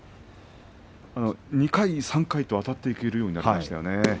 ２回３回とあたっていけるようになりました。